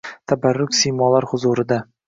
Tabarruk siymolar huzurida